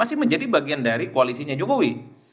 itu bagian dari koalisinya jokowi